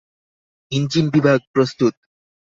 Engine বিভাগ, প্রস্তুত।